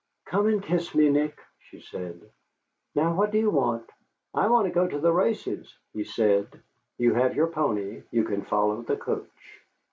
"Come and kiss me, Nick," she said. "Now, what do you want?" "I want to go to the races," he said. "You have your pony. You can follow the coach."